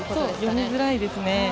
読みづらいですね。